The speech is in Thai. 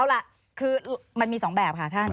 เอาล่ะคือมันมี๒แบบค่ะท่าน